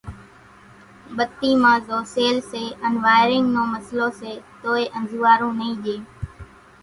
ٻتي مان زو سيل سي ان وائيرينگ نو مسئلو سي توئي انزوئارون نئي ڄي۔